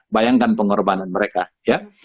bayangkan pengorbanan mereka ya